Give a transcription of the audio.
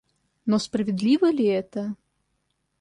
Но справедливо ли это?..